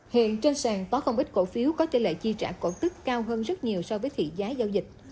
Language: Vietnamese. hiện trên sàn có không ít cổ phiếu có tỷ lệ chi trả cổ tức cao hơn rất nhiều so với thị giá giao dịch